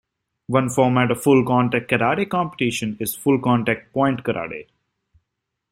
One format of full contact karate competition is full contact point karate.